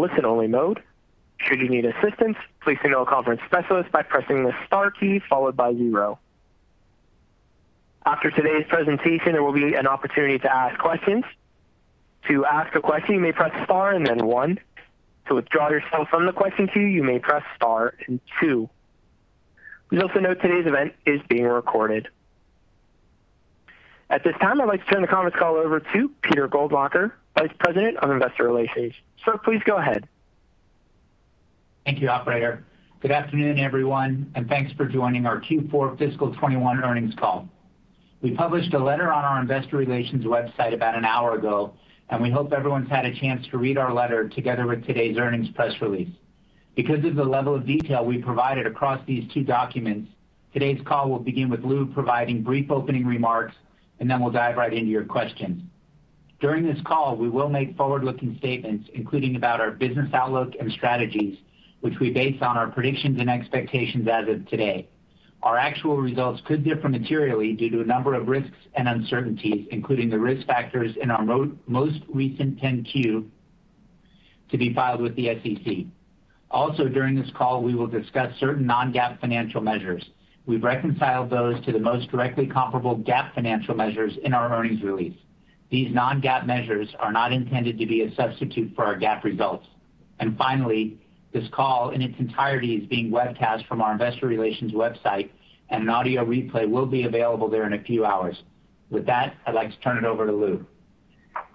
Listen only mode. Should you need assistance? Please call conference specialist by pressing the star key followed by zero. After today's presentation, there will be an opportunity to ask questions. To ask a question, you may press star and then one, to withdraw yourself on the question you may press star and two. Please also note today's event is being recorded. At this time, At this time, I'd like to turn the conference call over to Peter Goldmacher, Vice President of Investor Relations. Sir, please go ahead. Thank you, operator. Good afternoon, everyone, and thanks for joining our Q4 Fiscal 2021 earnings call. We published a letter on our investor relations website about one hour ago, and we hope everyone's had a chance to read our letter together with today's earnings press release. Because of the level of detail we provided across these two documents, today's call will begin with Lew providing brief opening remarks, and then we'll dive right into your questions. During this call, we will make forward-looking statements, including about our business outlook and strategies, which we base on our predictions and expectations as of today. Our actual results could differ materially due to a number of risks and uncertainties, including the risk factors in our most recent 10-Q to be filed with the SEC. Also during this call, we will discuss certain non-GAAP financial measures. We've reconciled those to the most directly comparable GAAP financial measures in our earnings release. These non-GAAP measures are not intended to be a substitute for our GAAP results. Finally, this call in its entirety is being webcast from our investor relations website, and an audio replay will be available there in a few hours. With that, I'd like to turn it over to Lew.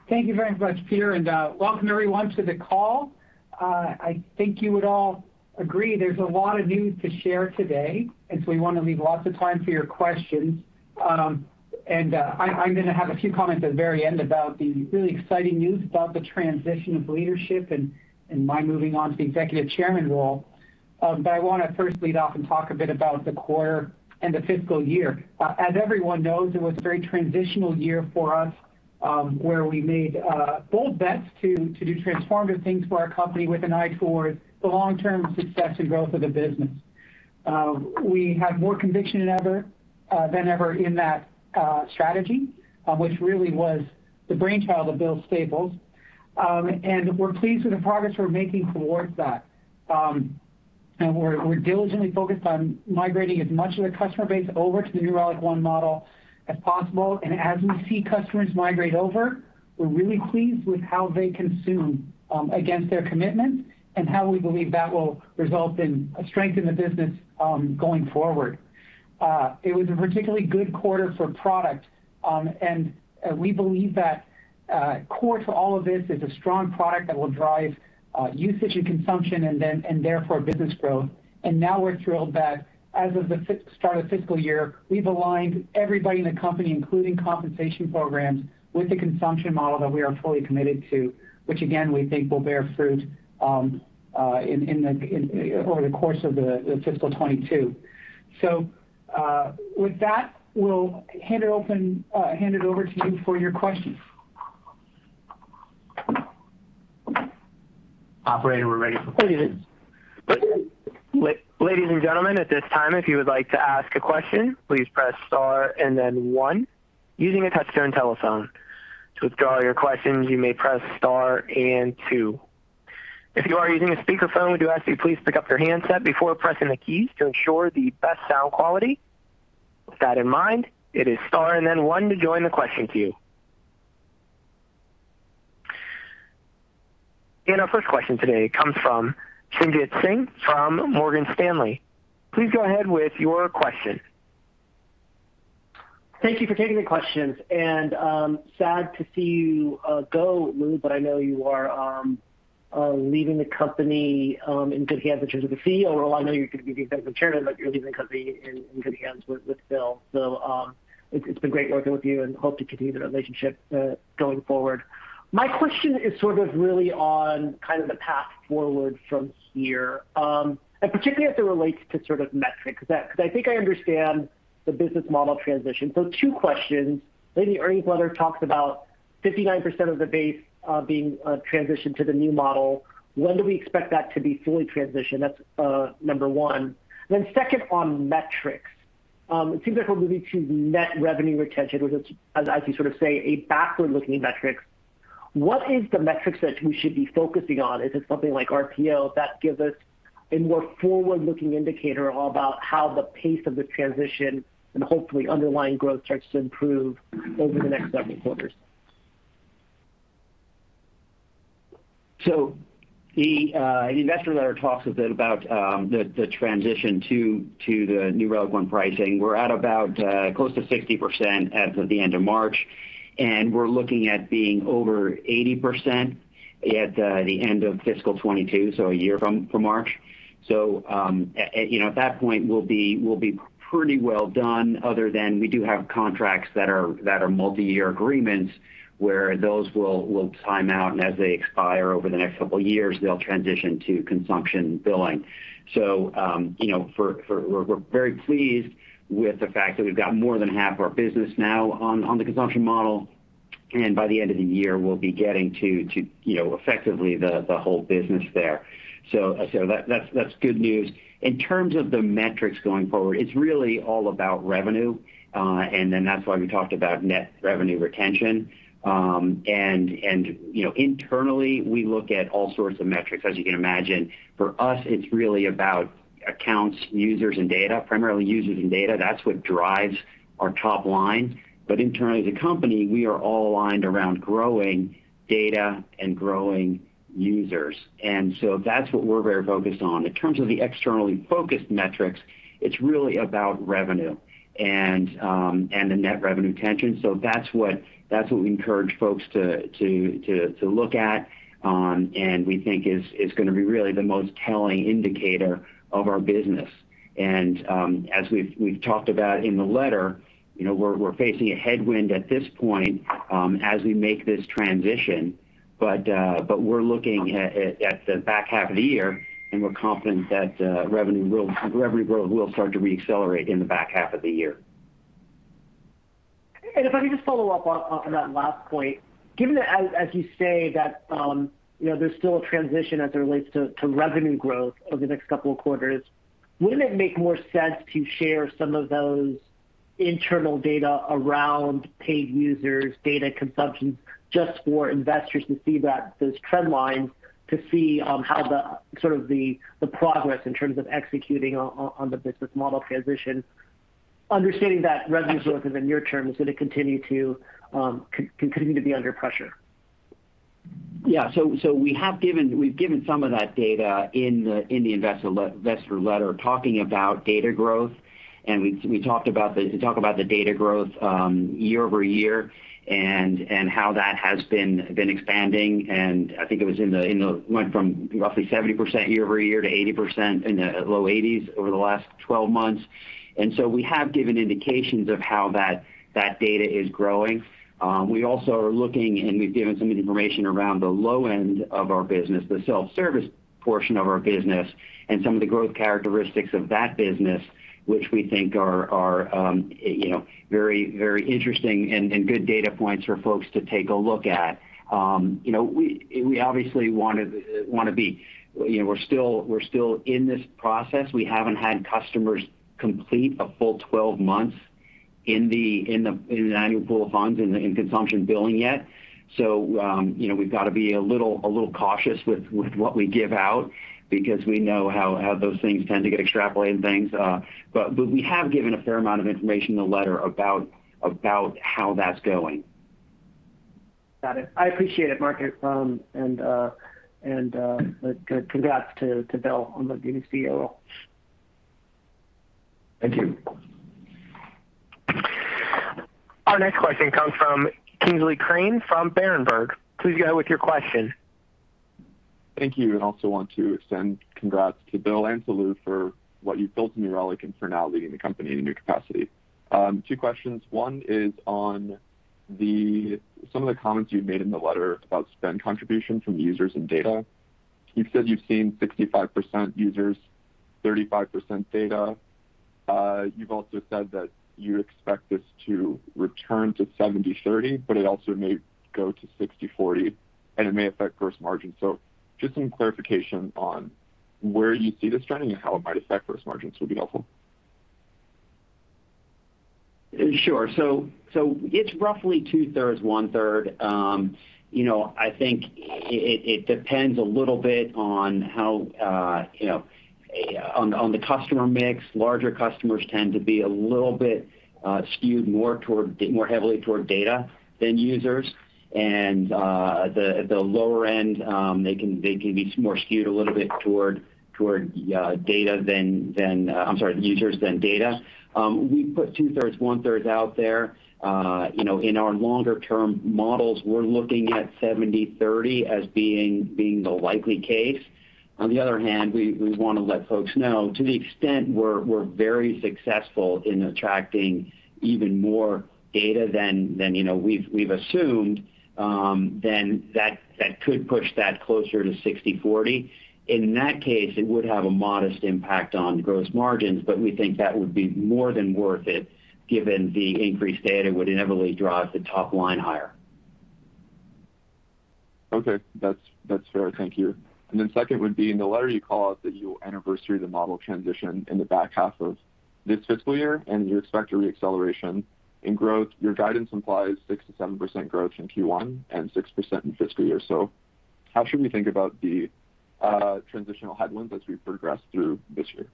Thank you very much, Peter, and welcome everyone to the call. I think you would all agree there's a lot of news to share today. We want to leave lots of time for your questions. I'm going to have a few comments at the very end about the really exciting news about the transition of leadership and my moving on to the executive chairman role. I want to first lead off and talk a bit about the quarter and the fiscal year. As everyone knows, it was a very transitional year for us, where we made bold bets to do transformative things for our company with an eye toward the long-term success and growth of the business. We have more conviction than ever in that strategy, which really was the brainchild of Bill Staples. We're pleased with the progress we're making towards that. We're diligently focused on migrating as much of the customer base over to the New Relic One model as possible. As we see customers migrate over, we're really pleased with how they consume against their commitment and how we believe that will result in a strength in the business going forward. It was a particularly good quarter for product. We believe that core to all of this is a strong product that will drive usage and consumption, and therefore business growth. Now we're thrilled that as of the start of fiscal year, we've aligned everybody in the company, including compensation programs, with the consumption model that we are fully committed to, which again, we think will bear fruit over the course of the fiscal year 2022. With that, we'll hand it over to you for your questions. Operator, we're ready for questions. Ladies and gentlemen, at this time, if you would like to ask a question, please press star and then one using a touch-tone telephone. To withdraw your questions, you may press star and two. If you are using a speaker phone, we ask you please pick up your handset before pressing the keys to ensure the best sound quality. With that in mind, it is star and then one to join the question queue. Our first question today comes from Sanjit Singh from Morgan Stanley. Please go ahead with your question. Thank you for taking the questions. Sad to see you go, Lew, but I know you are leaving the company in good hands in terms of the CEO role. I know you're going to be the executive chairman, you're leaving the company in good hands with Bill. It's been great working with you and hope to continue the relationship going forward. My question is sort of really on kind of the path forward from here, and particularly as it relates to sort of metrics. I think I understand the business model transition. Two questions. I think the earnings letter talks about 59% of the base being transitioned to the new model. When do we expect that to be fully transitioned? That's number one. Second, on metrics. It seems like we're moving to net revenue retention, which is, as you sort of say, a backward-looking metric. What is the metrics that we should be focusing on? Is it something like RPO that gives us a more forward-looking indicator about how the pace of the transition and hopefully underlying growth starts to improve over the next several quarters? The investor letter talks a bit about the transition to the New Relic One pricing. We're at about close to 60% as of the end of March, and we're looking at being over 80% at the end of FY 2022, so a year from March. At that point we'll be pretty well done other than we do have contracts that are multi-year agreements where those will time out and as they expire over the next couple of years, they'll transition to consumption billing. We're very pleased with the fact that we've got more than half of our business now on the consumption model. And by the end of the year, we'll be getting to effectively the whole business there. That's good news. In terms of the metrics going forward, it's really all about revenue, and then that's why we talked about net revenue retention. Internally, we look at all sorts of metrics, as you can imagine. For us, it's really about accounts, users, and data, primarily users and data. That's what drives our top line. Internally as a company, we are all aligned around growing data and growing users. That's what we're very focused on. In terms of the externally focused metrics, it's really about revenue and the net revenue retention. That's what we encourage folks to look at, and we think is going to be really the most telling indicator of our business. As we've talked about in the letter, we're facing a headwind at this point as we make this transition. We're looking at the back half of the year, and we're confident that revenue growth will start to re-accelerate in the back half of the year. If I could just follow up on that last point. Given that as you say that there's still a transition as it relates to revenue growth over the next couple of quarters, wouldn't it make more sense to share some of those internal data around paid users, data consumption, just for investors to see those trend lines to see how the progress in terms of executing on the business model transition? Understanding that revenue growth is a near term, is it going to continue to be under pressure? Yeah. We've given some of that data in the investor letter talking about data growth, and we talk about the data growth year-over-year and how that has been expanding. I think it went from roughly 70% year-over-year to 80%, in the low eighties over the last 12 months. We have given indications of how that data is growing. We also are looking, and we've given some information around the low end of our business, the self-service portion of our business, and some of the growth characteristics of that business, which we think are very interesting and good data points for folks to take a look at. We're still in this process. We haven't had customers complete a full 12 months in the annual pool of funds in consumption billing yet. We've got to be a little cautious with what we give out because we know how those things tend to get extrapolated and things. We have given a fair amount of information in the letter about how that's going. Got it. I appreciate it, Mark, and congrats to Bill on the new CEO role. Thank you. Our next question comes from Kingsley Crane from Berenberg. Please go with your question. Thank you. Also want to extend congrats to Bill and to Lew for what you've built in New Relic and for now leading the company in a new capacity. Two questions. One is on some of the comments you've made in the letter about spend contribution from users and data. You've said you've seen 65% users, 35% data. You've also said that you expect this to return to 70/30, but it also may go to 60/40, and it may affect gross margin. Just some clarification on where you see this trending and how it might affect gross margins would be helpful. Sure. It's roughly 2/3, 1/3. I think it depends a little bit on the customer mix. Larger customers tend to be a little bit skewed more heavily toward data than users. At the lower end, they can be more skewed a little bit toward users than data. We put 2/3, 1/3 out there. In our longer term models, we're looking at 70/30 as being the likely case. On the other hand, we want to let folks know to the extent we're very successful in attracting even more data than we've assumed, then that could push that closer to 60/40. In that case, it would have a modest impact on gross margins, we think that would be more than worth it given the increased data would inevitably drive the top line higher. Okay. That's fair. Thank you. Second would be, in the letter you call out that you will anniversary the model transition in the back half of this fiscal year, and you expect a re-acceleration in growth. Your guidance implies 6%-7% growth in Q1 and 6% in fiscal year. How should we think about the transitional headwinds as we progress through this year?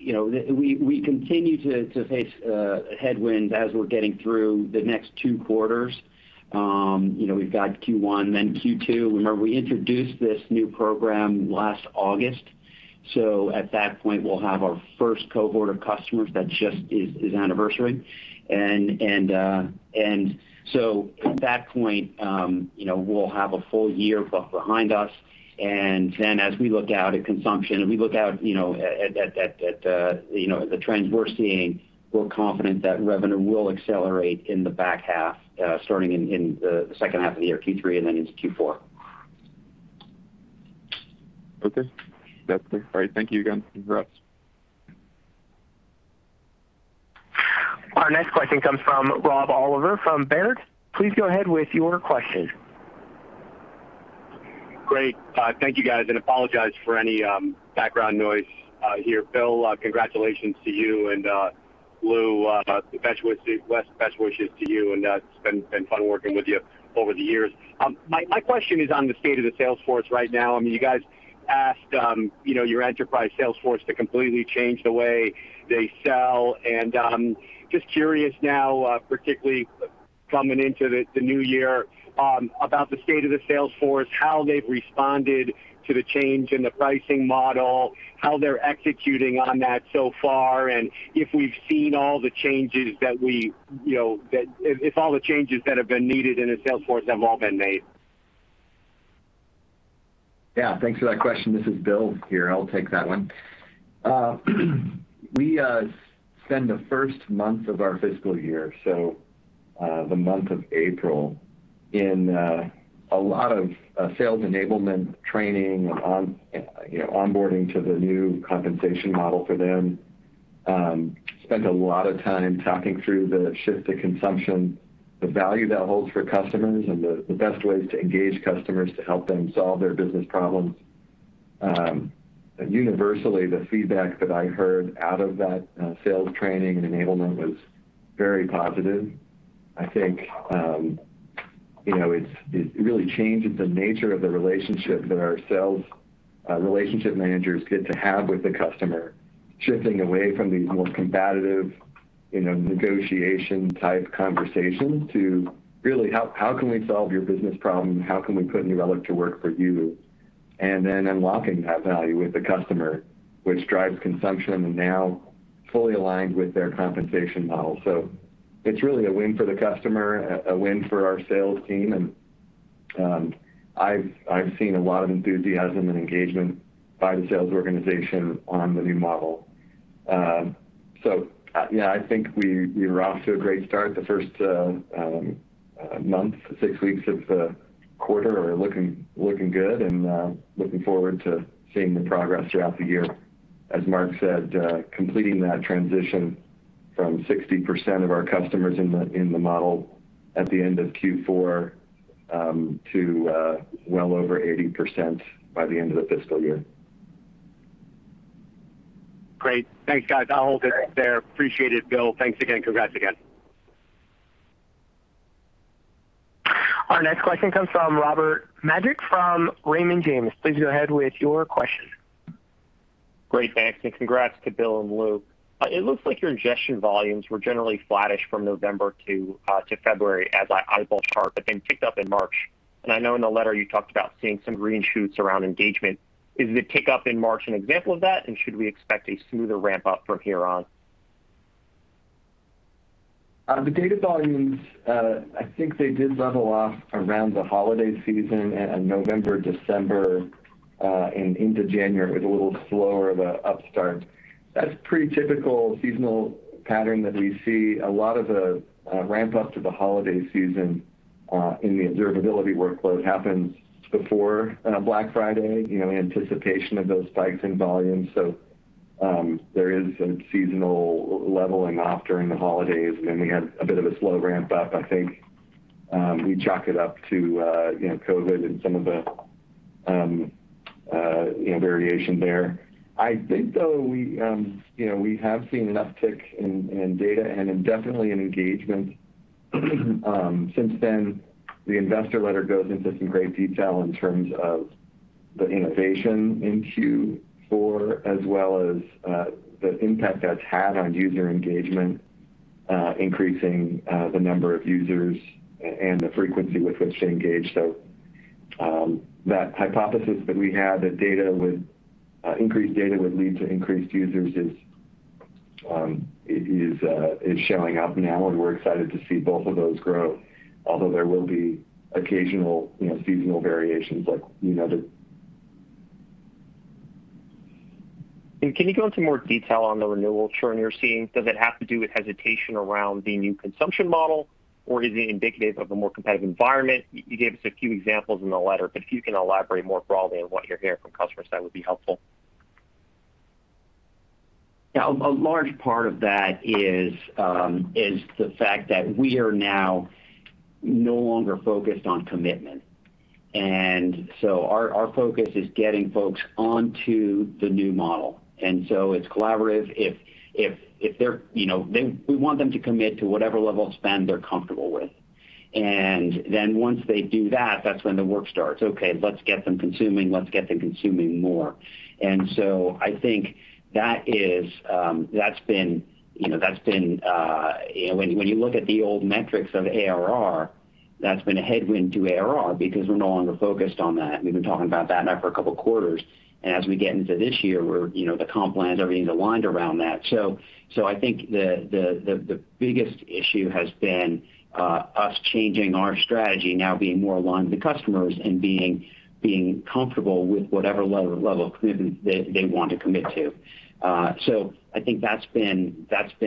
We continue to face headwinds as we're getting through the next two quarters. We've got Q1, then Q2. Remember, we introduced this new program last August. At that point, we'll have our first cohort of customers that just is anniversary. At that point we'll have a full year behind us, and then as we look out at consumption and we look out at the trends we're seeing, we're confident that revenue will accelerate in the back half, starting in the second half of the year, Q3 and then into Q4. Okay. That's clear. All right, thank you again. Congrats. Our next question comes from Rob Oliver from Baird. Please go ahead with your question. Great. Thank you, guys, and apologize for any background noise here. Bill, congratulations to you, and Lew, best wishes to you, and it's been fun working with you over the years. My question is on the state of the sales force right now. You guys asked your enterprise sales force to completely change the way they sell, and just curious now, particularly coming into the new year, about the state of the sales force, how they've responded to the change in the pricing model, how they're executing on that so far, and if all the changes that have been needed in the sales force have all been made. Yeah, thanks for that question. This is Bill Staples here. I'll take that one. We spend the first month of our fiscal year, so the month of April, in a lot of sales enablement training, onboarding to the new compensation model for them. Spent a lot of time talking through the shift to consumption, the value that holds for customers, and the best ways to engage customers to help them solve their business problems. Universally, the feedback that I heard out of that sales training and enablement was very positive. I think it really changes the nature of the relationship that our sales relationship managers get to have with the customer, shifting away from these more combative negotiation-type conversations to really how can we solve your business problem? How can we put New Relic to work for you? Unlocking that value with the customer, which drives consumption and now fully aligned with their compensation model. It's really a win for the customer, a win for our sales team, and I've seen a lot of enthusiasm and engagement by the sales organization on the new model. I think we were off to a great start the first month, six weeks of the quarter are looking good, and looking forward to seeing the progress throughout the year. As Mark said, completing that transition from 60% of our customers in the model at the end of Q4 to well over 80% by the end of the fiscal year. Great. Thanks, guys. I'll hold it there. Appreciate it, Bill. Thanks again. Congrats again. Our next question comes from Robert Majek from Raymond James. Please go ahead with your question. Great, thanks, and congrats to Bill and Lew. It looks like your ingestion volumes were generally flattish from November to February as I eyeball the chart, but then picked up in March. I know in the letter you talked about seeing some green shoots around engagement. Is the pick-up in March an example of that, and should we expect a smoother ramp-up from here on? The data volumes, I think they did level off around the holiday season in November, December, and into January. It was a little slower of an upstart. That's pretty typical seasonal pattern that we see. A lot of the ramp-up to the holiday season in the observability workload happens before Black Friday, in anticipation of those spikes in volume. There is some seasonal leveling off during the holidays. We had a bit of a slow ramp-up. I think we chalk it up to COVID and some of the variation there. I think, though, we have seen an uptick in data and in definitely in engagement since then. The investor letter goes into some great detail in terms of the innovation in Q4, as well as the impact that's had on user engagement, increasing the number of users and the frequency with which they engage. That hypothesis that we had that increased data would lead to increased users is showing up now, and we're excited to see both of those grow, although there will be occasional seasonal variations like. Can you go into more detail on the renewal churn you're seeing? Does it have to do with hesitation around the new consumption model, or is it indicative of a more competitive environment? You gave us a few examples in the letter, but if you can elaborate more broadly on what you're hearing from customers, that would be helpful. Yeah, a large part of that is the fact that we are now no longer focused on commitment. Our focus is getting folks onto the new model. It's collaborative. We want them to commit to whatever level of spend they're comfortable with. Once they do that's when the work starts. Okay, let's get them consuming, let's get them consuming more. I think when you look at the old metrics of ARR, that's been a headwind to ARR because we're no longer focused on that. We've been talking about that now for a couple quarters, and as we get into this year, the comp plans are being aligned around that. I think the biggest issue has been us changing our strategy, now being more aligned with the customers and being comfortable with whatever lower level of commitment they want to commit to. I think that's been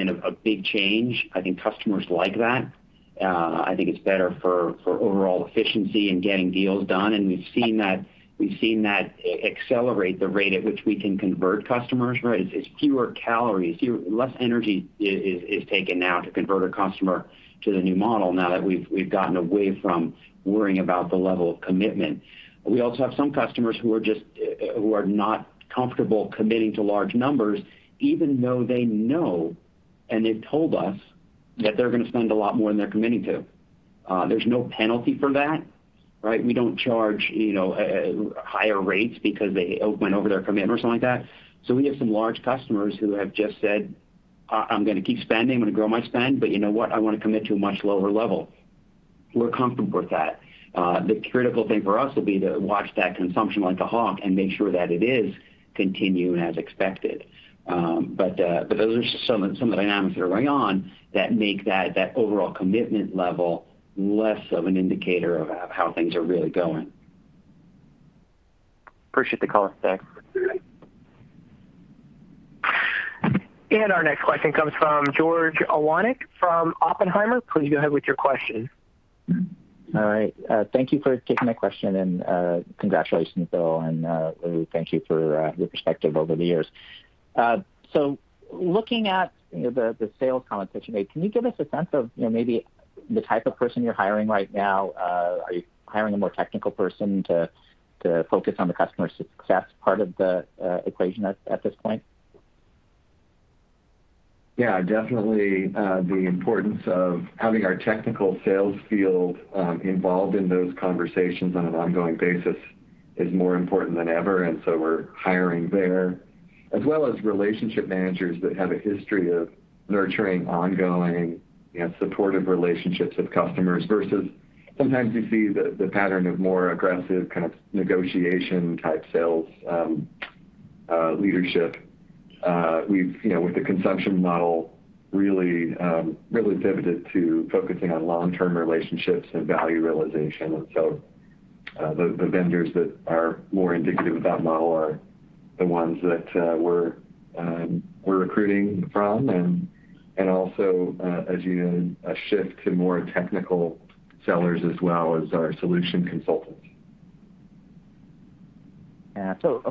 a big change. I think customers like that. I think it's better for overall efficiency in getting deals done, and we've seen that accelerate the rate at which we can convert customers. It's fewer calories. Less energy is taken now to convert a customer to the new model now that we've gotten away from worrying about the level of commitment. We also have some customers who are not comfortable committing to large numbers, even though they know, and they've told us, that they're going to spend a lot more than they're committing to. There's no penalty for that. We don't charge higher rates because they went over their commitment or something like that. We have some large customers who have just said, "I'm going to keep spending. I'm going to grow my spend, but you know what? I want to commit to a much lower level." We're comfortable with that. The critical thing for us will be to watch that consumption like a hawk and make sure that it is continuing as expected. Those are some of the dynamics that are going on that make that overall commitment level less of an indicator of how things are really going. Appreciate the color, thanks. Our next question comes from George Iwanyc from Oppenheimer. Please go ahead with your question. All right. Thank you for taking my question, and congratulations, Bill, and we thank you for your perspective over the years. Looking at the sales comments that you made, can you give us a sense of maybe the type of person you're hiring right now? Are you hiring a more technical person to focus on the customer success part of the equation at this point? Yeah, definitely the importance of having our technical sales field involved in those conversations on an ongoing basis is more important than ever. We're hiring there, as well as relationship managers that have a history of nurturing ongoing supportive relationships with customers versus sometimes you see the pattern of more aggressive kind of negotiation type sales leadership. With the consumption model, really pivoted to focusing on long-term relationships and value realization. The vendors that are more indicative of that model are the ones that we're recruiting from, and also, as you noted, a shift to more technical sellers as well as our solution consultants.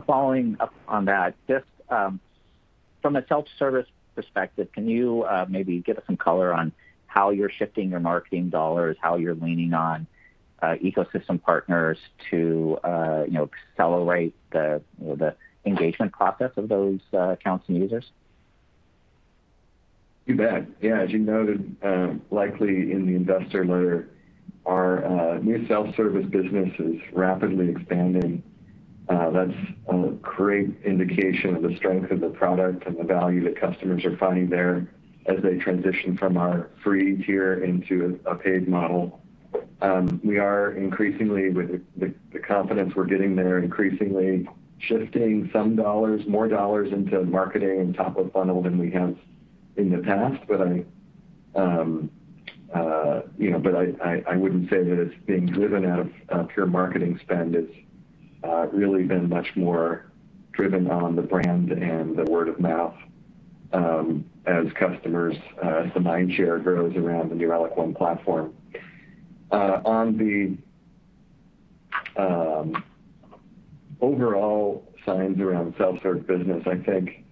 Following up on that, just from a self-service perspective, can you maybe give us some color on how you're shifting your marketing dollars, how you're leaning on ecosystem partners to accelerate the engagement process of those accounts and users? You bet. Yeah, as you noted, likely in the investor letter, our new self-service business is rapidly expanding. That's a great indication of the strength of the product and the value that customers are finding there as they transition from our free tier into a paid model. With the confidence we're getting there, increasingly shifting some dollars, more dollars into marketing and top of funnel than we have in the past. I wouldn't say that it's being driven out of pure marketing spend. It's really been much more driven on the brand and the word of mouth as the mind share grows around the New Relic One platform. On the overall signs around self-serve business, I think,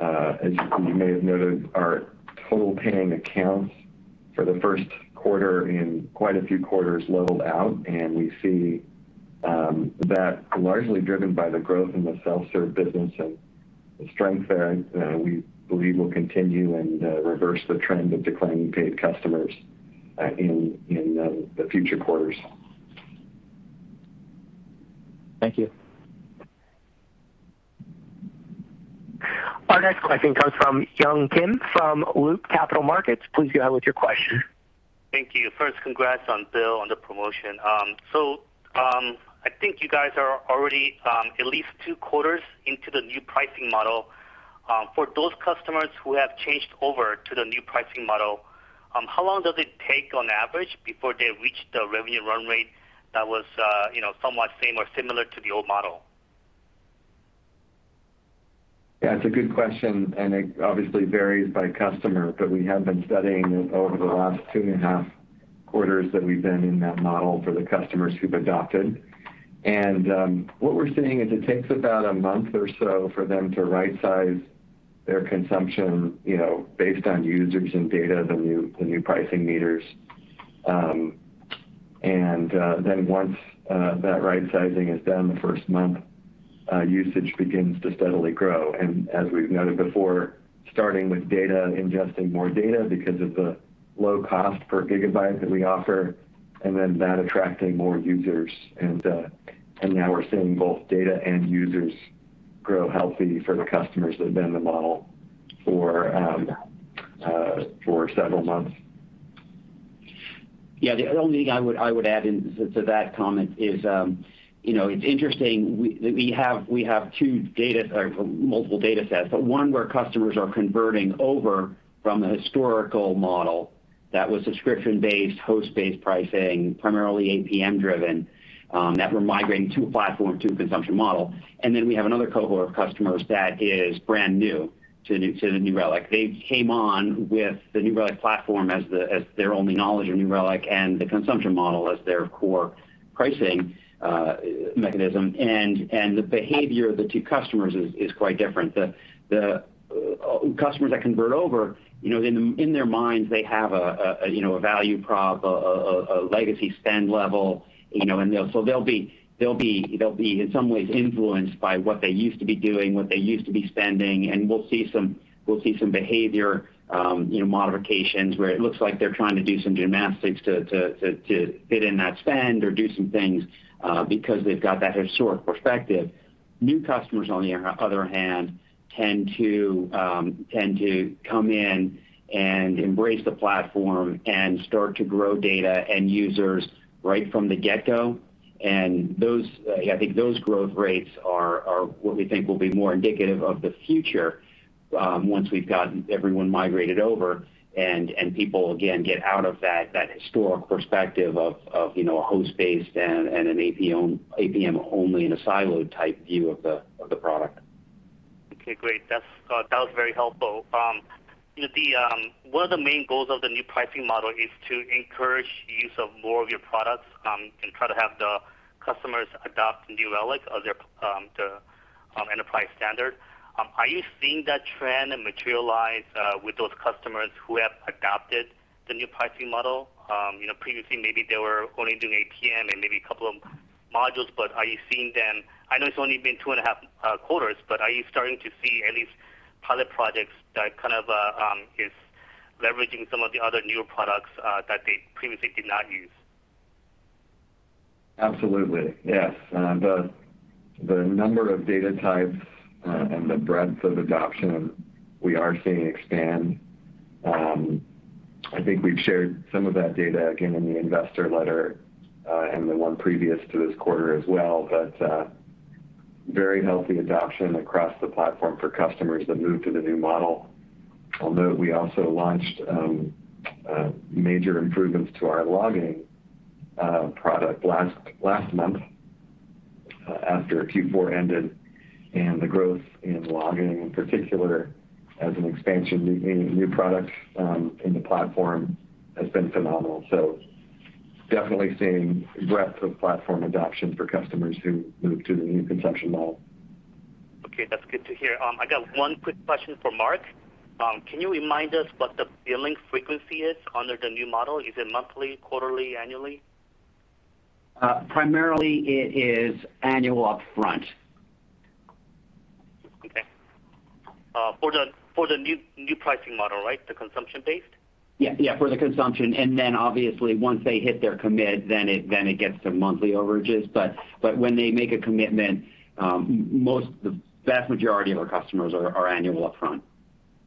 as you may have noted, our total paying accounts for the first quarter in quite a few quarters leveled out, and we see that largely driven by the growth in the self-serve business and the strength there we believe will continue and reverse the trend of declining paid customers in the future quarters. Thank you. Our next question comes from Yun Kim from Loop Capital Markets. Please go ahead with your question. Thank you. First, congrats on Bill on the promotion. I think you guys are already at least two quarters into the new pricing model. For those customers who have changed over to the new pricing model, how long does it take on average before they reach the revenue run rate that was somewhat same or similar to the old model? Yeah, it's a good question, and it obviously varies by customer. We have been studying over the last two and a half quarters that we've been in that model for the customers who've adopted. What we're seeing is it takes about a month or so for them to right-size their consumption based on users and data, the new pricing meters. Once that right-sizing is done, the first month usage begins to steadily grow. As we've noted before, starting with data, ingesting more data because of the low cost per gigabyte that we offer, and then that attracting more users. Now we're seeing both data and users grow healthy for the customers that have been in the model for several months. Yeah. The only thing I would add in to that comment is, it's interesting. We have multiple datasets, but one where customers are converting over from the historical model. That was subscription-based, host-based pricing, primarily APM driven, that we're migrating to a platform to a consumption model. We have another cohort of customers that is brand new to the New Relic. They came on with the New Relic platform as their only knowledge of New Relic and the consumption model as their core pricing mechanism. The behavior of the two customers is quite different. The customers that convert over, in their minds, they have a value prop, a legacy spend level, and so they'll be, in some ways, influenced by what they used to be doing, what they used to be spending. We'll see some behavior modifications where it looks like they're trying to do some gymnastics to fit in that spend or do some things because they've got that historic perspective. New customers, on the other hand, tend to come in and embrace the platform and start to grow data and users right from the get-go. I think those growth rates are what we think will be more indicative of the future once we've gotten everyone migrated over and people, again, get out of that historic perspective of a host-based and an APM only in a silo type view of the product. Okay, great. That was very helpful. One of the main goals of the new pricing model is to encourage use of more of your products, and try to have the customers adopt New Relic as their enterprise standard. Are you seeing that trend materialize with those customers who have adopted the new pricing model? Previously, maybe they were only doing APM and maybe a couple of modules. I know it's only been two and a half quarters, but are you starting to see at least pilot projects that kind of is leveraging some of the other newer products that they previously did not use? Absolutely. Yes. The number of data types and the breadth of adoption, we are seeing expand. I think we've shared some of that data, again, in the investor letter, and the one previous to this quarter as well. Very healthy adoption across the platform for customers that moved to the new model. I'll note we also launched major improvements to our logging product last month, after Q4 ended, and the growth in logging in particular as an expansion, new product in the platform has been phenomenal. Definitely seeing breadth of platform adoption for customers who moved to the new consumption model. Okay, that's good to hear. I got one quick question for Mark. Can you remind us what the billing frequency is under the new model? Is it monthly, quarterly, annually? Primarily it is annual up front. Okay. For the new pricing model, right? The consumption-based? Yeah. For the consumption. Obviously once they hit their commit, then it gets to monthly overages. When they make a commitment, the vast majority of our customers are annual upfront.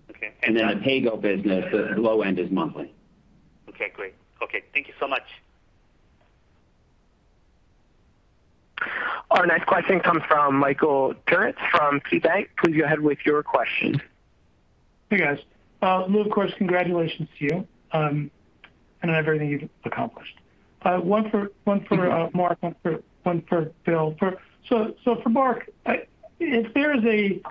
Okay. A pay-go business, the low end is monthly. Okay, great. Okay. Thank you so much. Our next question comes from Michael Turits from KeyBanc. Please go ahead with your question. Hey, guys. Lew, of course, congratulations to you, and on everything you've accomplished. One for Mark, one for Bill. For Mark, if there is a,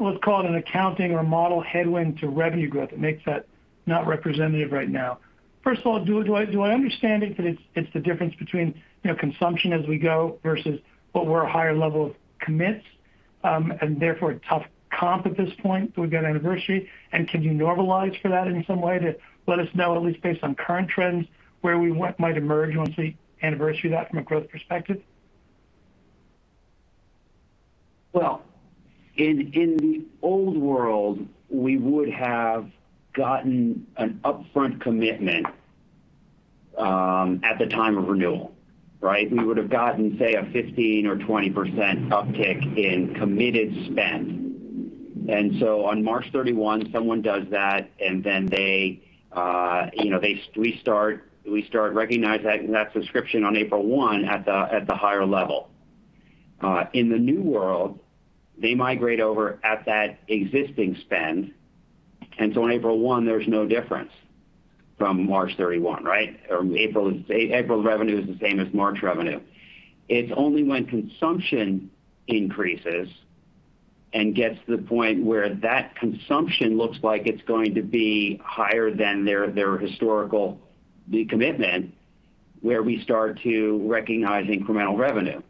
let's call it an accounting or model headwind to revenue growth that makes that not representative right now, first of all, do I understand it that it's the difference between consumption as we go versus what were a higher level of commits, and therefore a tough comp at this point as we go to anniversary? Can you normalize for that in some way to let us know, at least based on current trends, where we might emerge once we anniversary that from a growth perspective? Well, in the old world, we would have gotten an upfront commitment at the time of renewal. Right? We would have gotten, say, a 15 or 20% uptick in committed spend. On March 31, someone does that, and then we start recognizing that subscription on April 1 at the higher level. In the new world, they migrate over at that existing spend. On April 1, there's no difference from March 31, right? April's revenue is the same as March revenue. It's only when consumption increases and gets to the point where that consumption looks like it's going to be higher than their historical commitment, where we start to recognize incremental revenue.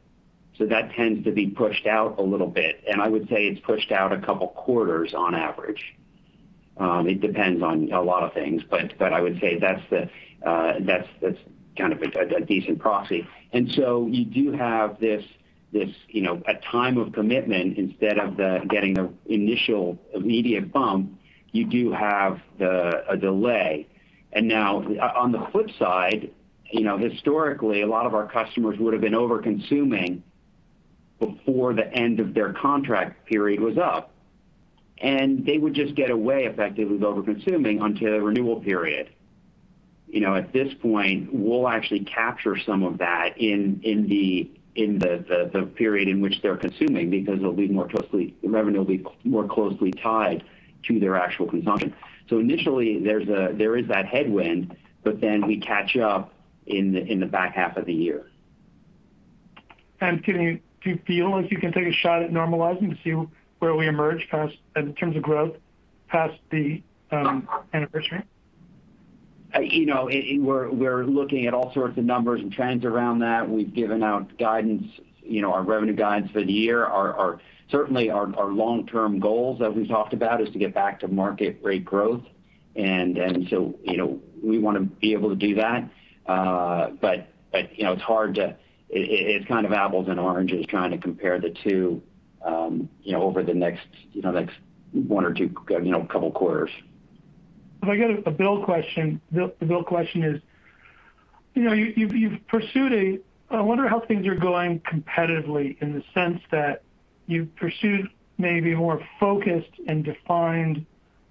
That tends to be pushed out a little bit, and I would say it's pushed out a couple quarters on average. It depends on a lot of things, I would say that's kind of a decent proxy. You do have this at time of commitment, instead of getting the initial immediate bump, you do have a delay. Now on the flip side, historically, a lot of our customers would have been overconsuming before the end of their contract period was up, and they would just get away effectively with overconsuming until the renewal period. At this point, we'll actually capture some of that in the period in which they're consuming, because the revenue will be more closely tied to their actual consumption. Initially, there is that headwind, but then we catch up in the back half of the year. Do you feel like you can take a shot at normalizing to see where we emerge past, in terms of growth, past the anniversary? We're looking at all sorts of numbers and trends around that. We've given out guidance, our revenue guidance for the year. Certainly, our long-term goals that we've talked about is to get back to market rate growth. We want to be able to do that. It's kind of apples and oranges trying to compare the two over the next one or two couple quarters. If I get a Bill question. The Bill question is, I wonder how things are going competitively in the sense that you've pursued maybe more focused and defined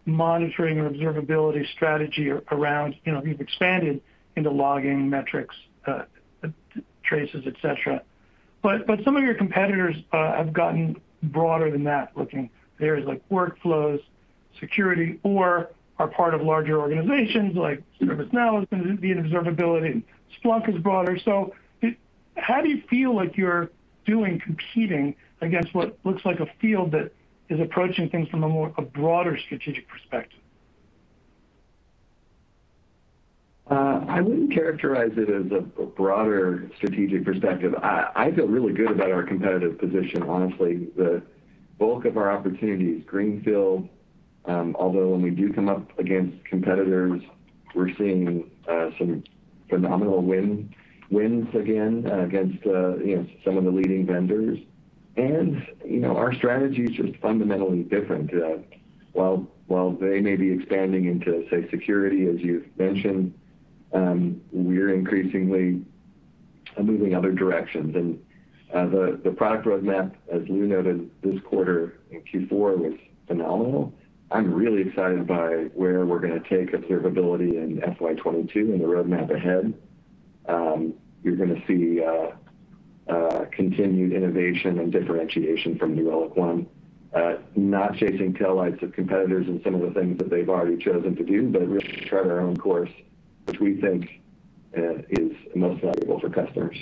monitoring or observability strategy around, you've expanded into logging metrics, traces, et cetera. Some of your competitors have gotten broader than that, looking at areas like workflows, security, or are part of larger organizations like ServiceNow has been doing observability, and Splunk is broader. How do you feel like you're doing competing against what looks like a field that is approaching things from a more broader strategic perspective? I wouldn't characterize it as a broader strategic perspective. I feel really good about our competitive position, honestly. The bulk of our opportunity is greenfield, although when we do come up against competitors, we're seeing some phenomenal wins again, against some of the leading vendors. Our strategy's just fundamentally different. While they may be expanding into, say, security as you've mentioned, we're increasingly moving other directions. The product roadmap, as Lew noted, this quarter in Q4 was phenomenal. I'm really excited by where we're going to take observability in FY 2022 and the roadmap ahead. You're going to see continued innovation and differentiation from New Relic One, not chasing tail lights of competitors and some of the things that they've already chosen to do, but really chart our own course, which we think is most valuable for customers.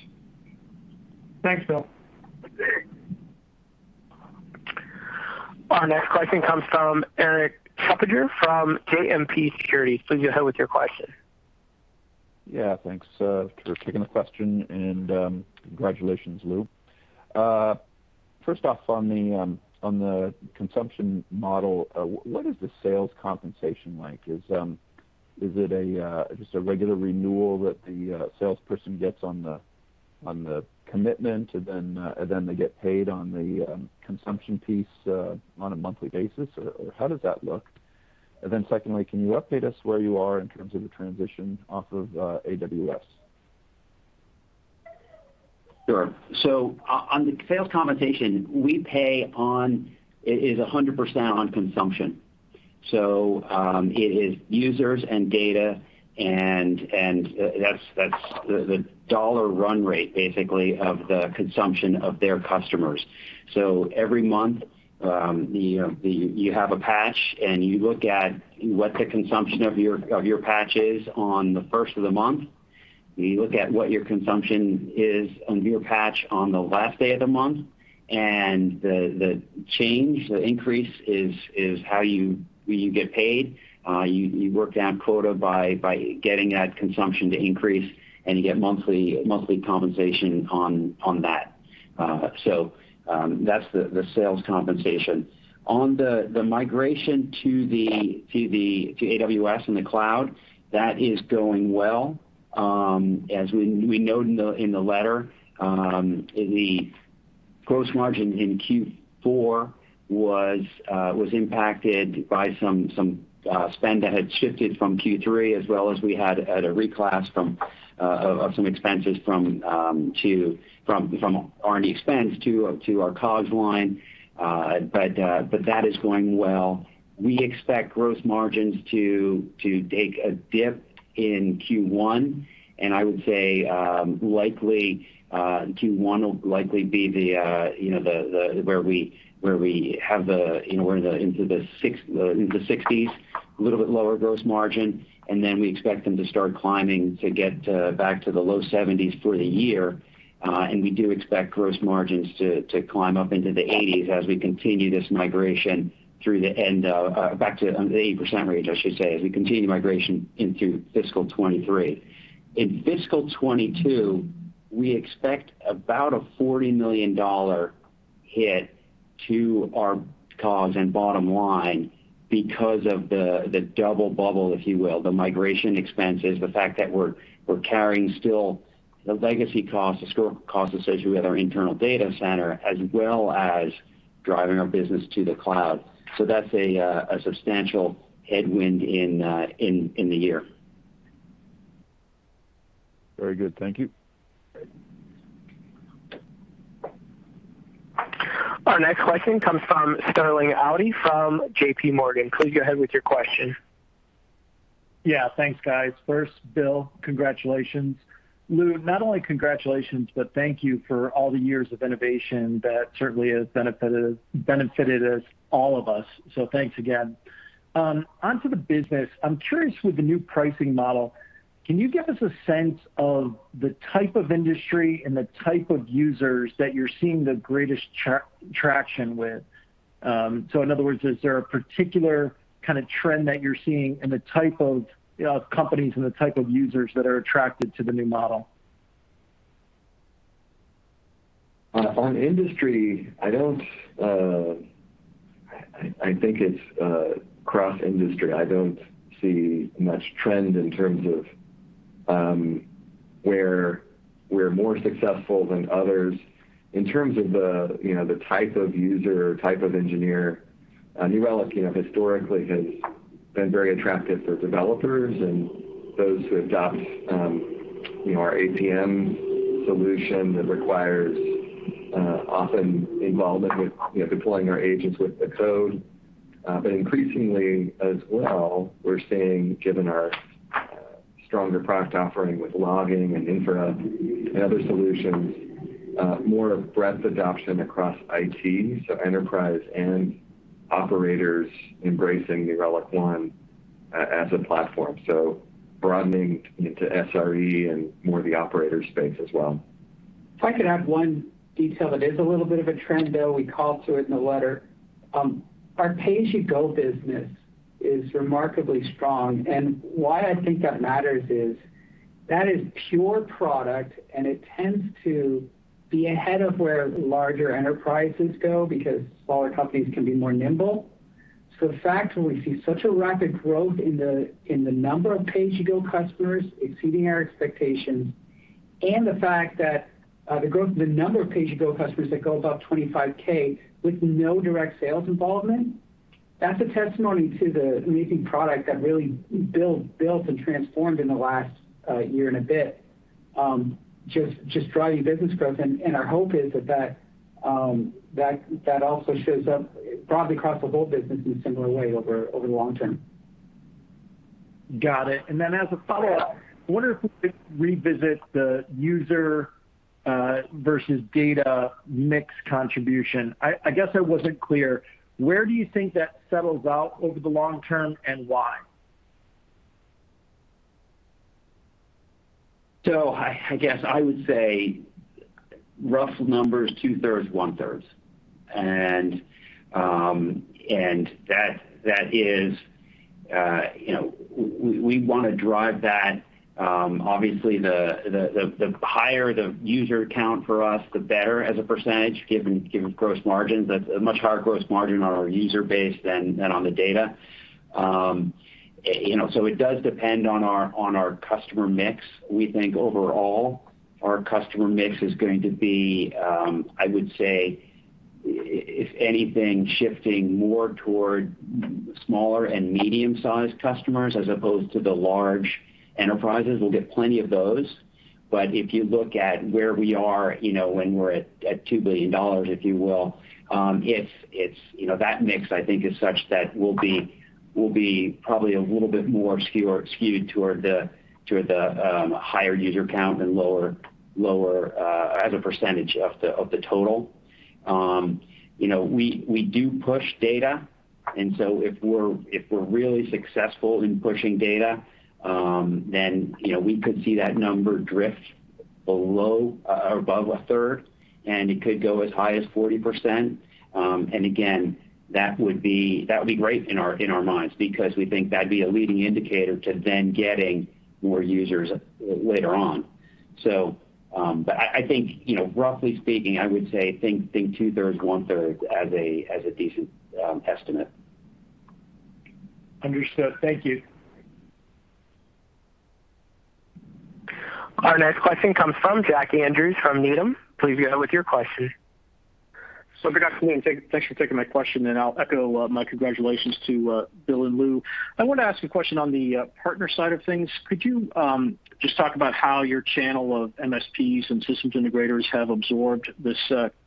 Thanks, Bill. Our next question comes from Erik Suppiger from JMP Securities. Please go ahead with your question. Yeah, thanks for taking the question. Congratulations, Lew. First off on the consumption model, what is the sales compensation like? Is it just a regular renewal that the salesperson gets on the commitment, and then they get paid on the consumption piece on a monthly basis, or how does that look? Secondly, can you update us where you are in terms of the transition off of AWS? Sure. On the sales compensation, we pay on, it is 100% on consumption. It is users and data and that's the dollar run rate, basically, of the consumption of their customers. Every month, you have a patch and you look at what the consumption of your patch is on the first of the month. You look at what your consumption is on your patch on the last day of the month, and the change, the increase is how you get paid. You work down quota by getting that consumption to increase, and you get monthly compensation on that. That's the sales compensation. On the migration to AWS and the cloud, that is going well. As we noted in the letter, the gross margin in Q4 was impacted by some spend that had shifted from Q3, as well as we had had a reclass of some expenses from R&D expense to our COGS line. That is going well. We expect gross margins to take a dip in Q1. I would say Q1 will likely be where we're into the 60s, a little bit lower gross margin, and then we expect them to start climbing to get back to the low 70s for the year. We do expect gross margins to climb up into the 80s as we continue this migration Back to the 80% range, I should say, as we continue migration into fiscal 2023. In FY 2022, we expect about a $40 million hit to our COGS and bottom line because of the double bubble, if you will. The migration expenses, the fact that we're carrying still the legacy costs, the costs associated with our internal data center, as well as driving our business to the cloud. That's a substantial headwind in the year. Very good. Thank you. Our next question comes from Sterling Auty from JP Morgan. Please go ahead with your question. Yeah. Thanks, guys. First, Bill, congratulations. Lew, not only congratulations, but thank you for all the years of innovation that certainly has benefited us, all of us. Thanks again. Onto the business, I'm curious with the new pricing model, can you give us a sense of the type of industry and the type of users that you're seeing the greatest traction with? In other words, is there a particular kind of trend that you're seeing in the type of companies and the type of users that are attracted to the new model? On industry, I think it's cross-industry. I don't see much trend in terms of where we're more successful than others. In terms of the type of user or type of engineer, New Relic historically has been very attractive for developers and those who adopt our APM solution that requires often involvement with deploying our agents with the code. Increasingly as well, we're seeing, given our stronger product offering with logging and infra and other solutions, more breadth adoption across IT, so enterprise and operators embracing New Relic One as a platform. Broadening into SRE and more the operator space as well. If I could add one detail that is a little bit of a trend, though, we called to it in the letter. Our pay-as-you-go business is remarkably strong. Why I think that matters is that is pure product, and it tends to be ahead of where larger enterprises go because smaller companies can be more nimble. The fact that we see such a rapid growth in the number of pay-as-you-go customers exceeding our expectations, and the fact that the number of pay-as-you-go customers that go above 25K with no direct sales involvement, that's a testimony to the amazing product that really Bill built and transformed in the last year and a bit, just driving business growth. Our hope is that also shows up broadly across the whole business in a similar way over the long term. Got it. As a follow-up, I wonder if we could revisit the user versus data mix contribution. I guess I wasn't clear. Where do you think that settles out over the long term, and why? I guess I would say rough numbers, two-thirds, one-third. We want to drive that. Obviously, the higher the user count for us, the better as a percentage, given gross margins. That's a much higher gross margin on our user base than on the data. It does depend on our customer mix. We think overall our customer mix is going to be, I would say, if anything, shifting more toward smaller and medium-sized customers as opposed to the large enterprises. We'll get plenty of those, but if you look at where we are when we're at $2 billion, if you will, that mix, I think is such that we'll be probably a little bit more skewed toward the higher user count and lower as a percentage of the total. We do push data. If we're really successful in pushing data, then we could see that number drift above a third, and it could go as high as 40%. Again, that would be great in our minds because we think that'd be a leading indicator to then getting more users later on. I think, roughly speaking, I would say think two-thirds, one-third as a decent estimate. Understood. Thank you. Our next question comes from Jack Andrews from Needham. Please go ahead with your question. Good afternoon. Thanks for taking my question, and I'll echo my congratulations to Bill and Lew. I want to ask a question on the partner side of things. Could you just talk about how your channel of MSPs and systems integrators have absorbed this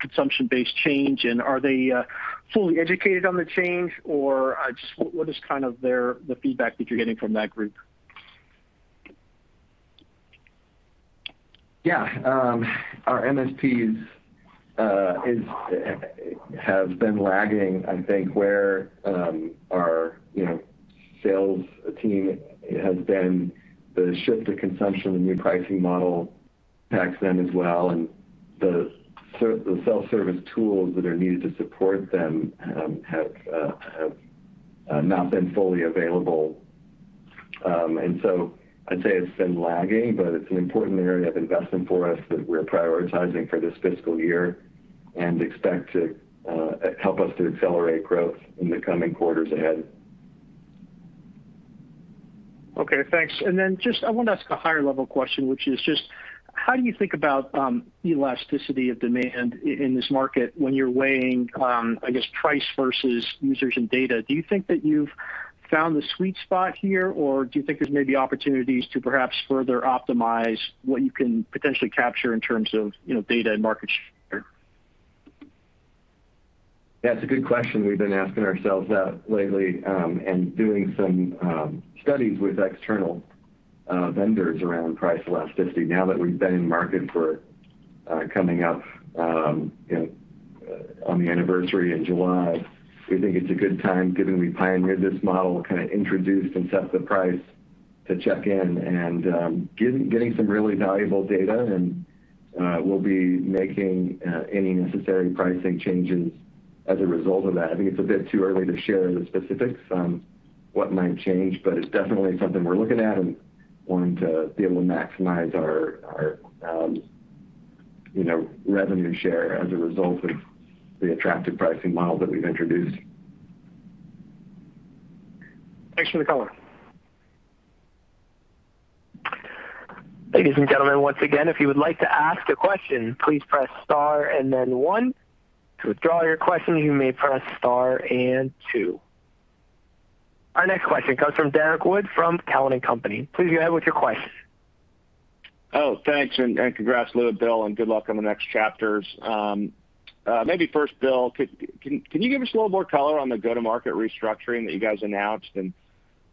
consumption-based change, and are they fully educated on the change, or just what is kind of the feedback that you're getting from that group? Yeah. Our MSPs have been lagging, I think where our sales team has been. The shift to consumption, the new pricing model impacts them as well, and the self-service tools that are needed to support them have not been fully available. I'd say it's been lagging, but it's an important area of investment for us that we're prioritizing for this fiscal year and expect to help us to accelerate growth in the coming quarters ahead Okay, thanks. Just I want to ask a higher-level question, which is just how do you think about elasticity of demand in this market when you're weighing, I guess, price versus users and data? Do you think that you've found the sweet spot here? Do you think there may be opportunities to perhaps further optimize what you can potentially capture in terms of data and market share? That's a good question. We've been asking ourselves that lately, and doing some studies with external vendors around price elasticity now that we've been in market for coming up on the anniversary in July. We think it's a good time, given we pioneered this model, kind of introduced and set the price to check in and getting some really valuable data, and we'll be making any necessary pricing changes as a result of that. I think it's a bit too early to share the specifics on what might change, but it's definitely something we're looking at and wanting to be able to maximize our revenue share as a result of the attractive pricing model that we've introduced. Thanks for the color. Ladies and gentlemen, once again, if you would like to ask a question, please press star and then one. To withdraw your question, you may press star and two. Our next question comes from Derrick Wood from Cowen and Company. Please go ahead with your question. Oh, thanks. Congrats, Lew and Bill, and good luck on the next chapters. Maybe first, Bill, can you give us a little more color on the go-to-market restructuring that you guys announced and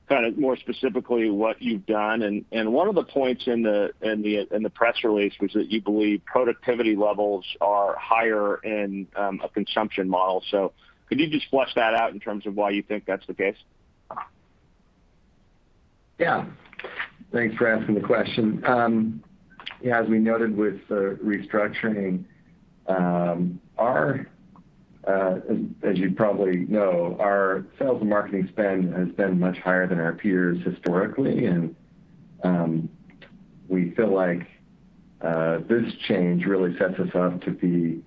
kind of more specifically what you've done? One of the points in the press release was that you believe productivity levels are higher in a consumption model. Could you just flesh that out in terms of why you think that's the case? Thanks for asking the question. As we noted with the restructuring, as you probably know, our sales and marketing spend has been much higher than our peers historically. We feel like this change really sets us up to be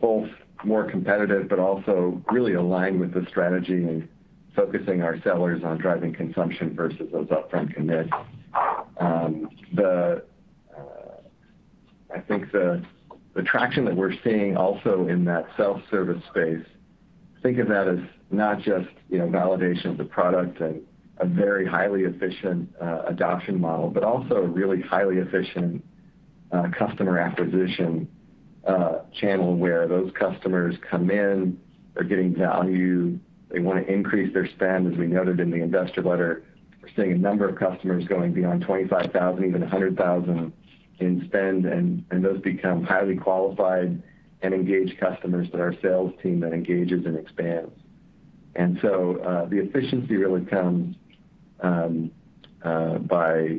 both more competitive, but also really aligned with the strategy and focusing our sellers on driving consumption versus those upfront commits. I think the traction that we're seeing also in that self-service space, think of that as not just validation of the product and a very highly efficient adoption model, but also a really highly efficient customer acquisition channel where those customers come in, are getting value, they want to increase their spend. As we noted in the investor letter, we're seeing a number of customers going beyond 25,000, even 100,000 in spend, and those become highly qualified and engaged customers that our sales team then engages and expands. The efficiency really comes by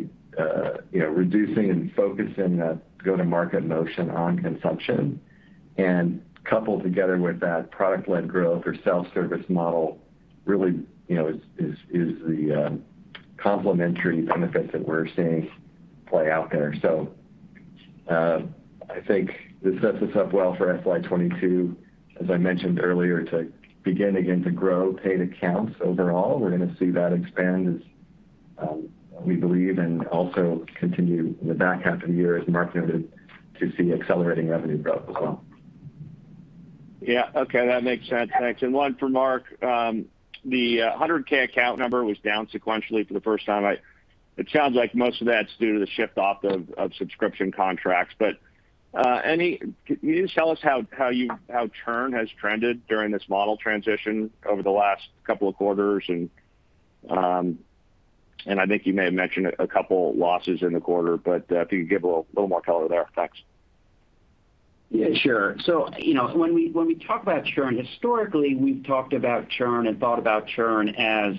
reducing and focusing that go-to-market motion on consumption. Coupled together with that product-led growth or self-service model really is the complementary benefits that we're seeing play out there. I think this sets us up well for FY 2022, as I mentioned earlier, to begin again to grow paid accounts overall. We're going to see that expand as we believe and also continue in the back half of the year as Mark noted, to see accelerating revenue growth as well. Yeah. Okay. That makes sense. Thanks. One for Mark. The 100K account number was down sequentially for the first time. It sounds like most of that's due to the shift off of subscription contracts. Can you just tell us how churn has trended during this model transition over the last couple of quarters? I think you may have mentioned a couple losses in the quarter, but if you could give a little more color there. Thanks. Yeah, sure. When we talk about churn, historically, we've talked about churn and thought about churn as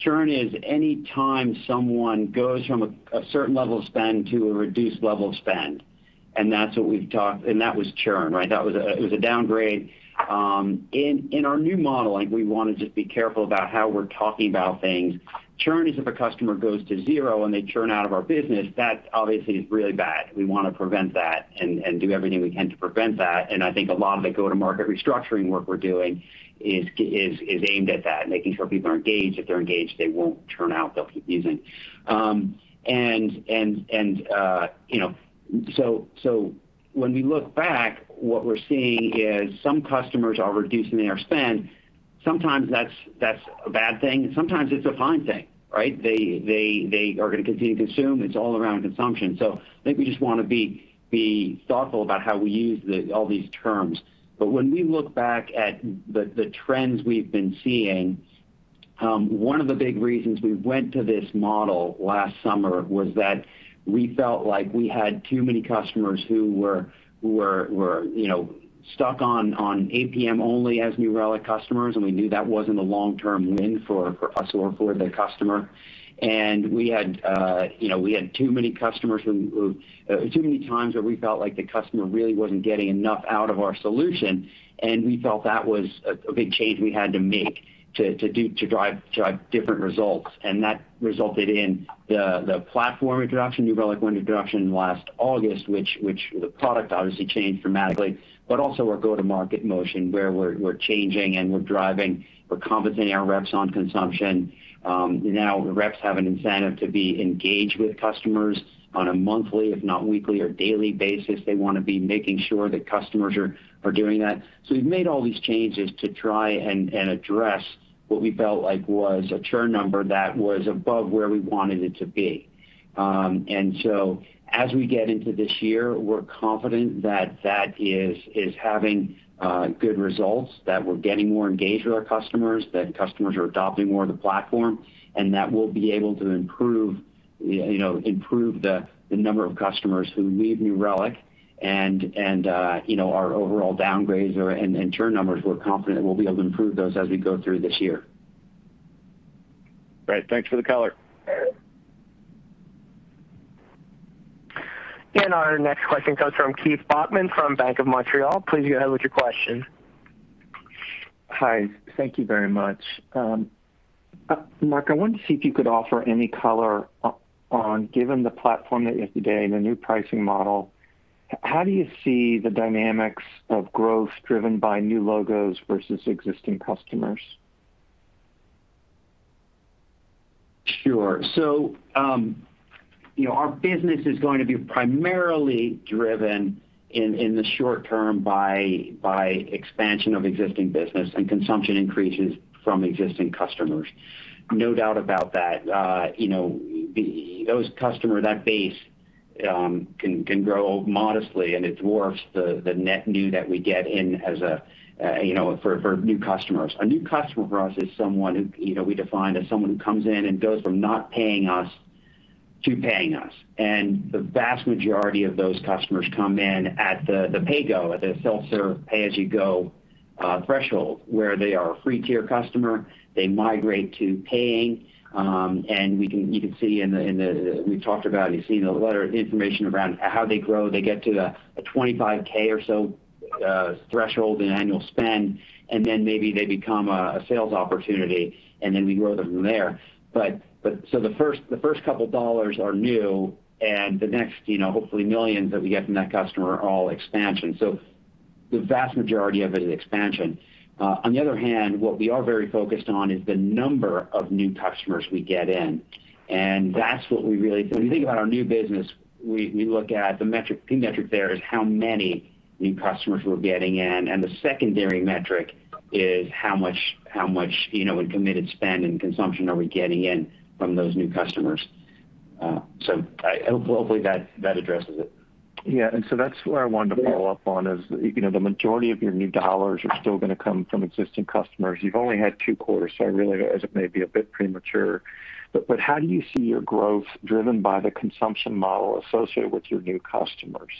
churn is any time someone goes from a certain level of spend to a reduced level of spend. That was churn, right? That was a downgrade. In our new modeling, we want to just be careful about how we're talking about things. Churn is if a customer goes to zero and they churn out of our business, that obviously is really bad. We want to prevent that and do everything we can to prevent that. I think a lot of the go-to-market restructuring work we're doing is aimed at that, making sure people are engaged. If they're engaged, they won't churn out, they'll keep using. When we look back, what we're seeing is some customers are reducing their spend. Sometimes that's a bad thing, and sometimes it's a fine thing, right? They are going to continue to consume. It's all around consumption. I think we just want to be thoughtful about how we use all these terms. When we look back at the trends we've been seeing, one of the big reasons we went to this model last summer was that we felt like we had too many customers who were stuck on APM only as New Relic customers, and we knew that wasn't a long-term win for us or for the customer. We had too many times where we felt like the customer really wasn't getting enough out of our solution, and we felt that was a big change we had to make to drive different results. That resulted in the platform introduction. New Relic went into production last August, which the product obviously changed dramatically, but also our go-to-market motion where we're changing and we're driving, we're compensating our reps on consumption. Now the reps have an incentive to be engaged with customers on a monthly, if not weekly or daily basis. They want to be making sure that customers are doing that. We've made all these changes to try and address what we felt like was a churn number that was above where we wanted it to be. As we get into this year, we're confident that that is having good results, that we're getting more engaged with our customers, that customers are adopting more of the platform, that we'll be able to improve the number of customers who leave New Relic, and our overall downgrades or and churn numbers. We're confident we'll be able to improve those as we go through this year. Great. Thanks for the color. Our next question comes from Keith Bachman from Bank of Montreal. Please go ahead with your question. Hi. Thank you very much. Mark, I wanted to see if you could offer any color on, given the platform that you have today and the new pricing model, how do you see the dynamics of growth driven by new logos versus existing customers? Sure. Our business is going to be primarily driven, in the short term, by expansion of existing business and consumption increases from existing customers. No doubt about that. That base can grow modestly, and it dwarfs the net new that we get in for new customers. A new customer for us is someone who we define as someone who comes in and goes from not paying us to paying us. The vast majority of those customers come in at the pay-go, at the self-serve pay-as-you-go threshold, where they are a free tier customer, they migrate to paying. You can see, and we talked about, you've seen the information around how they grow. They get to a $25K or so threshold in annual spend, and then maybe they become a sales opportunity, and then we grow them from there. The first couple of dollars are new, and the next, hopefully, millions that we get from that customer are all expansion. The vast majority of it is expansion. On the other hand, what we are very focused on is the number of new customers we get in. That's what we really do. When you think about our new business, we look at the key metric there is how many new customers we're getting in, and the secondary metric is how much in committed spend and consumption are we getting in from those new customers. Hopefully that addresses it. Yeah. That's where I wanted to follow up on is, the majority of your new dollars are still going to come from existing customers. You've only had two quarters, so I realize it may be a bit premature, but how do you see your growth driven by the consumption model associated with your new customers?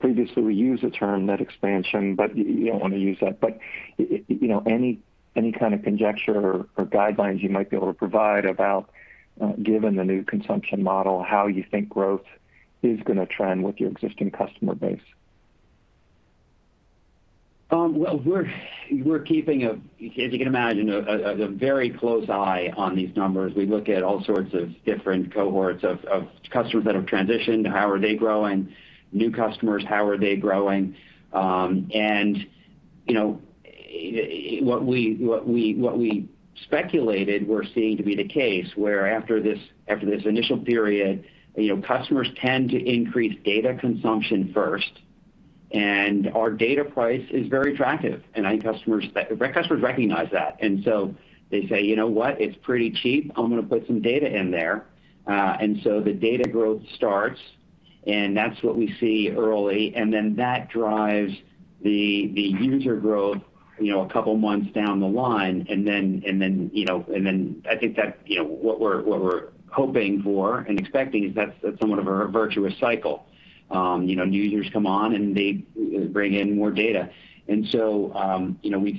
Previously, we used the term net expansion, but you don't want to use that. Any kind of conjecture or guidelines you might be able to provide about, given the new consumption model, how you think growth is going to trend with your existing customer base? Well, we're keeping, as you can imagine, a very close eye on these numbers. We look at all sorts of different cohorts of customers that have transitioned. How are they growing? New customers, how are they growing? What we speculated we're seeing to be the case, where after this initial period, customers tend to increase data consumption first. Our data price is very attractive, and our customers recognize that. They say, "You know what? It's pretty cheap. I'm going to put some data in there." The data growth starts, and that's what we see early, and then that drives the user growth a couple of months down the line. Then I think what we're hoping for and expecting is that's somewhat of a virtuous cycle. New users come on, and they bring in more data. We've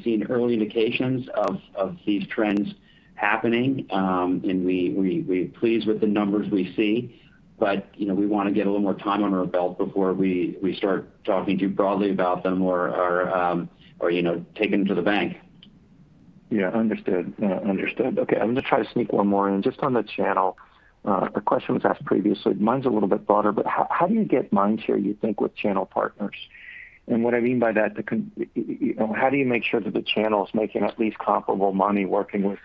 seen early indications of these trends happening. We're pleased with the numbers we see. We want to get a little more time on our belt before we start talking too broadly about them or take them to the bank. Yeah. Understood. Okay. I'm going to try to sneak one more in, just on the channel. The question was asked previously. Mine's a little bit broader, but how do you get mind share, you think, with channel partners? What I mean by that, how do you make sure that the channel is making at least comparable money working with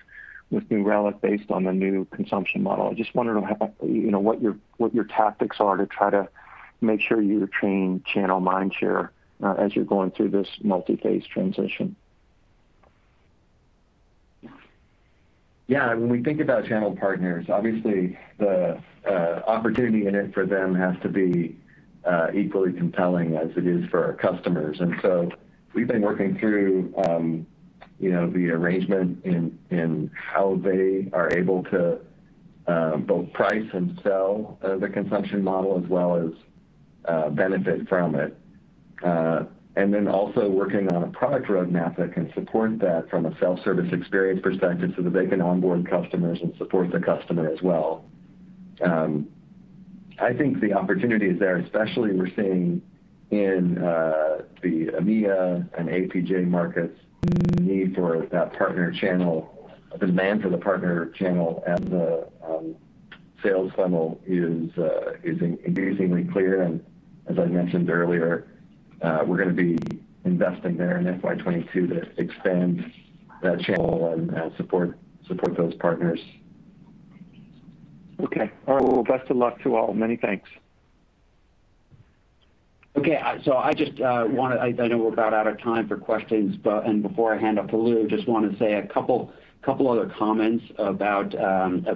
New Relic based on the new consumption model? I just wondered what your tactics are to try to make sure you retain channel mind share as you're going through this multi-phase transition. Yeah. When we think about channel partners, obviously the opportunity in it for them has to be equally compelling as it is for our customers. We've been working through the arrangement in how they are able to both price and sell the consumption model as well as benefit from it. Also working on a product roadmap that can support that from a self-service experience perspective so that they can onboard customers and support the customer as well. I think the opportunity is there, especially we're seeing in the EMEA and APJ markets, the need for that partner channel, a demand for the partner channel and the sales funnel is amazingly clear, and as I mentioned earlier, we're going to be investing there in FY2022 to expand that channel and support those partners. Okay. All right. Well, best of luck to all. Many thanks. Okay. I know we're about out of time for questions, and before I hand off to Lew, just want to say a couple other comments about things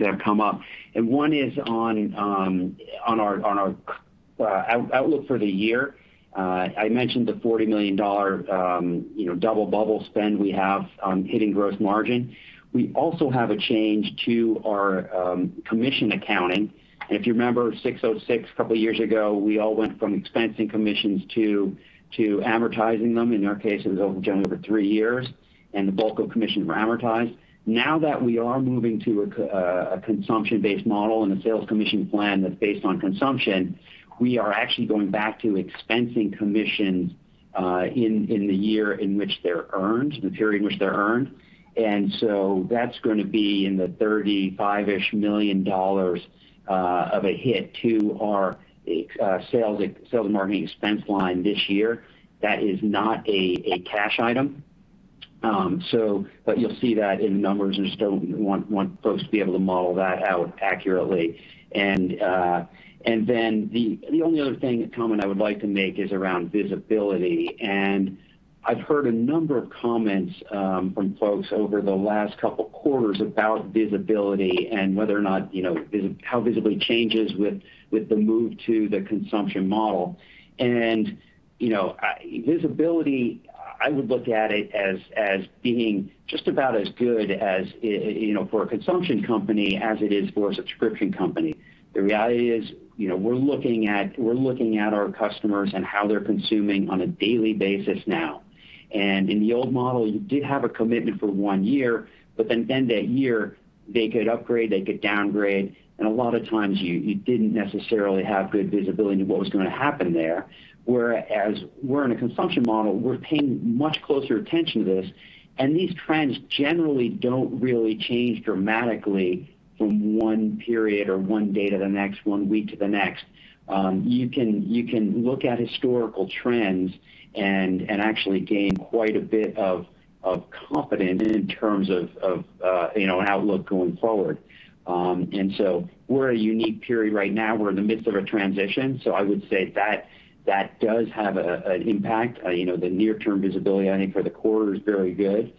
that have come up. One is on our outlook for the year. I mentioned the $40 million double bubble spend we have on hitting gross margin. We also have a change to our commission accounting. If you remember 606 a couple of years ago, we all went from expensing commissions to amortizing them. In our case, it was generally over three years, and the bulk of commissions were amortized. Now that we are moving to a consumption-based model and a sales commission plan that's based on consumption, we are actually going back to expensing commissions, in the year in which they're earned, the period in which they're earned. That's going to be in the $35-ish million of a hit to our sales and marketing expense line this year. That is not a cash item. You'll see that in the numbers. I just want folks to be able to model that out accurately. The only other comment I would like to make is around visibility. I've heard a number of comments from folks over the last couple quarters about visibility and how visibility changes with the move to the consumption model. Visibility, I would look at it as being just about as good for a consumption company as it is for a subscription company. The reality is, we're looking at our customers and how they're consuming on a daily basis now. In the old model, you did have a commitment for one year, but then at the end of that year, they could upgrade, they could downgrade, and a lot of times you didn't necessarily have good visibility into what was going to happen there. We're in a consumption model, we're paying much closer attention to this, and these trends generally don't really change dramatically from one period or one day to the next, one week to the next. You can look at historical trends and actually gain quite a bit of confidence in terms of outlook going forward. We're in a unique period right now. We're in the midst of a transition, so I would say that does have an impact. The near-term visibility, I think, for the quarter is very good.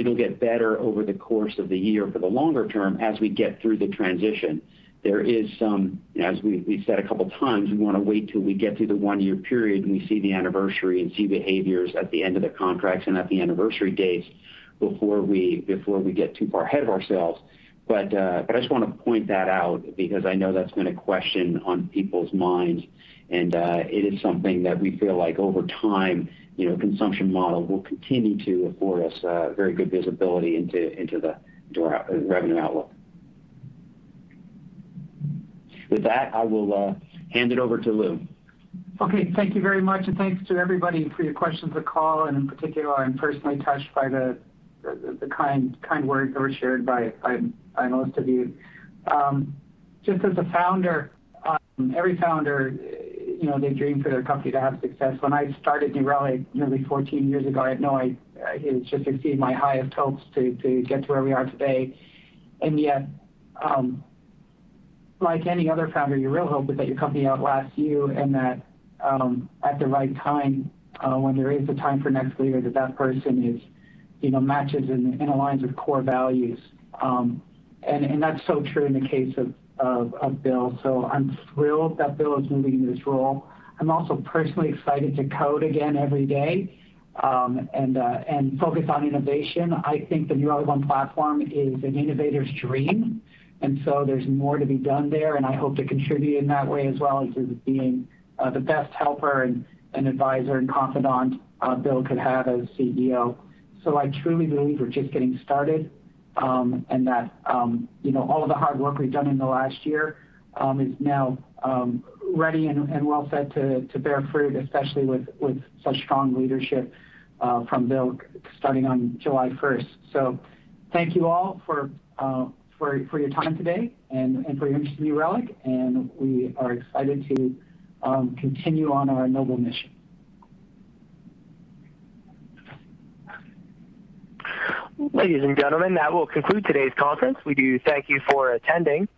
It'll get better over the course of the year for the longer term, as we get through the transition. As we've said a couple of times, we want to wait till we get through the one-year period, and we see the anniversary and see behaviors at the end of the contracts and at the anniversary dates before we get too far ahead of ourselves. I just want to point that out because I know that's been a question on people's minds, and it is something that we feel like over time, consumption model will continue to afford us very good visibility into the revenue outlook. With that, I will hand it over to Lew. Okay. Thank you very much, and thanks to everybody for your questions, the call, and in particular, I'm personally touched by the kind words that were shared by most of you. Just as a founder, every founder, they dream for their company to have success. When I started New Relic nearly 14 years ago, I had no idea it would just exceed my highest hopes to get to where we are today. Yet, like any other founder, your real hope is that your company outlasts you and that, at the right time, when there is a time for next leader, that that person matches and aligns with core values. That's so true in the case of Bill. I'm thrilled that Bill is moving into this role. I'm also personally excited to code again every day, and focus on innovation. I think the New Relic One platform is an innovator's dream, and so there's more to be done there, and I hope to contribute in that way as well as just being the best helper and advisor and confidant Bill could have as CEO. I truly believe we're just getting started, and that all of the hard work we've done in the last year is now ready and well set to bear fruit, especially with such strong leadership from Bill starting on July 1st. Thank you all for your time today and for your interest in New Relic, and we are excited to continue on our noble mission. Ladies and gentlemen, that will conclude today's conference. We do thank you for attending.